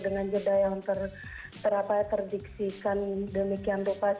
dengan jeda yang terdiksikan demikian